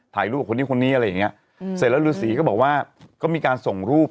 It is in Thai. ถ่ายรูปกับคนนี้คนนี้อะไรอย่างเงี้ยอืมเสร็จแล้วฤษีก็บอกว่าก็มีการส่งรูป